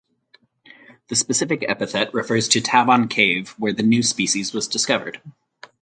The specific epithet refers to Tabon Cave where the new species was discovered.